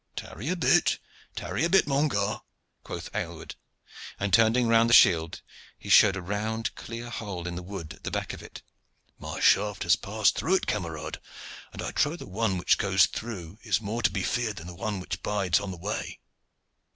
"Tarry a bit! tarry a bit, mon gar.!" quoth Aylward, and turning round the shield he showed a round clear hole in the wood at the back of it. "My shaft has passed through it, camarade, and I trow the one which goes through is more to be feared than that which bides on the way."